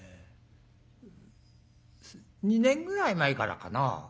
２年ぐらい前からかな。